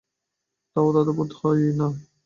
তাও তাদের বোধোদয় হয় না।